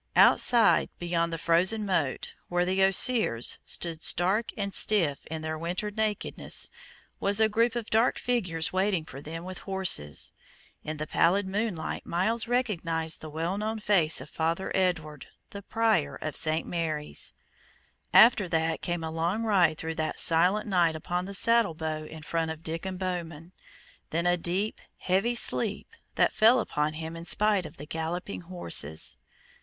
Outside, beyond the frozen moat, where the osiers, stood stark and stiff in their winter nakedness, was a group of dark figures waiting for them with horses. In the pallid moonlight Myles recognized the well known face of Father Edward, the Prior of St. Mary's. After that came a long ride through that silent night upon the saddle bow in front of Diccon Bowman; then a deep, heavy sleep, that fell upon him in spite of the galloping of the horses.